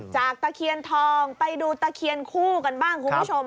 ตะเคียนทองไปดูตะเคียนคู่กันบ้างคุณผู้ชม